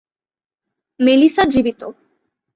Melissa জীবিত।